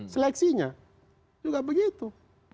seleksinya juga begitu